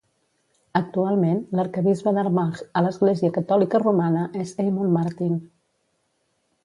Actualment, l'arquebisbe d'Armagh a l'Església Catòlica Romana és Eamon Martin.